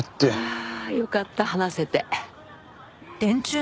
ああよかった話せて。